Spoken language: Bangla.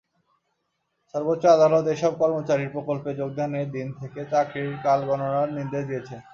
সর্বোচ্চ আদালত এসব কর্মচারীর প্রকল্পে যোগদানের দিন থেকে চাকরির কাল গণনার নির্দেশ দিয়েছেন।